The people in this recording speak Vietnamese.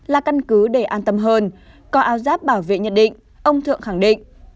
là căn cứ để an tâm hơn có áo giáp bảo vệ nhận định ông thượng khẳng định